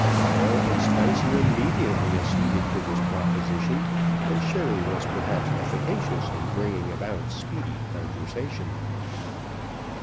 Pile and Spicer immediately acceded to this proposition, and sherry was perhaps efficacious in bringing about speedy conversation.